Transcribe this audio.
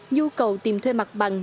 nhu cầu tìm thuê mặt bằng